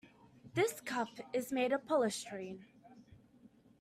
This cup is made of polystyrene.